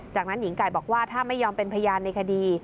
จากนั้นหญิงไก่บอกว่าถ้าไม่ยอมเป็นพยานในคดี